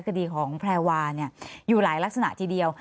คดีของแพรวาอยู่หลายลักษณะทีเดียว